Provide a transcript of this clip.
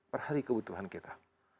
per hari kebutuhan kita